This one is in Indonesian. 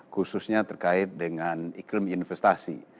khususnya terkait dengan iklim investasi